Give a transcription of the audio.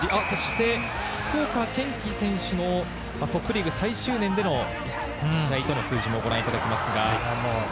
そして福岡堅樹選手のトップリーグ最終年での試合との数字もご覧いただきますが。